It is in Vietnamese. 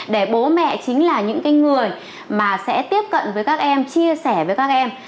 để bố mẹ chính là những người mà sẽ tiếp cận với các em chia sẻ với các em